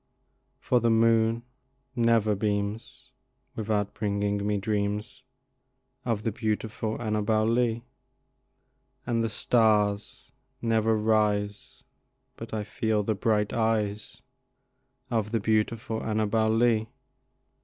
For the moon never beams without bringing me dreams Of the beautiful Annabel Lee, And the stars never rise but I feel the bright eyes Of the beautiful Annabel Lee.